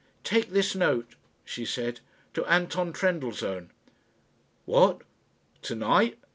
"Take this note," she said, "to Anton Trendellsohn." "What! to night?"